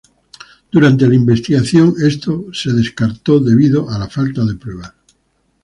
Durante la investigación, esto fue descartado debido a la falta de pruebas.